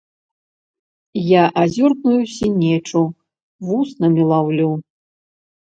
Я азёрную сінечу вуснамі лаўлю.